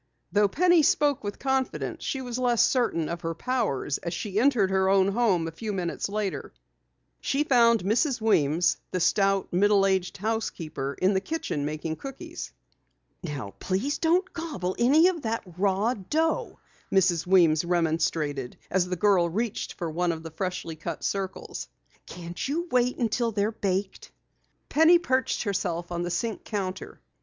Though Penny spoke with confidence, she was less certain of her powers as she entered her own home a few minutes later. She found Mrs. Weems, the stout, middle aged housekeeper in the kitchen making cookies. "Now please don't gobble any of that raw dough!" Mrs. Weems remonstrated as the girl reached for one of the freshly cut circles. "Can't you wait until they're baked?" Penny perched herself on the sink counter.